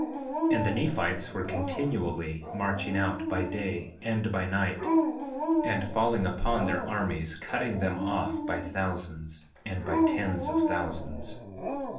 4:21 And the Nephites were continually marching out by day and by night, and falling upon their armies, and cutting them off by thousands and by tens of thousands.